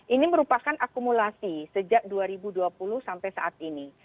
ini merupakan akumulasi sejak dua ribu dua puluh sampai saat ini